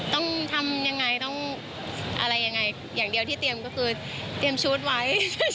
ต้องทำอย่างไรอย่างเดียวที่เตรียมก็คือเตรียมชุดไว้